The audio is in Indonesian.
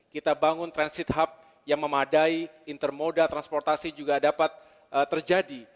kita bangun transit hub yang memadai intermodal transportasi juga dapat terjadi